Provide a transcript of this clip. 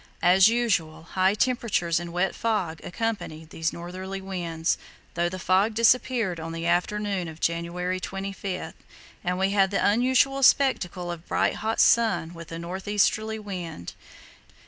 As usual, high temperatures and wet fog accompanied these northerly winds, though the fog disappeared on the afternoon of January 25, and we had the unusual spectacle of bright hot sun with a north easterly wind.